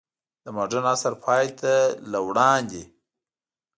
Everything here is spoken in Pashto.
د مډرن عصر پای ته له وړاندې، اکثره خلک بزګران ول.